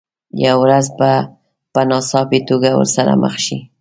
یوه ورځ به په ناڅاپي توګه ورسره مخ شئ.